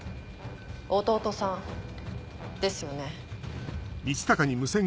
弟さんですよね？